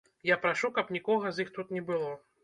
Я прашу, каб нікога з іх тут не было.